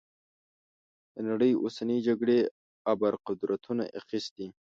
د نړۍ اوسنۍ جګړې ابرقدرتونو اخیستي.